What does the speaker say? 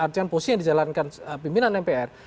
dan posisi yang dijalankan pimpinan mpr